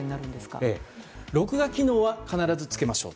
録画機能は必ずつけましょう。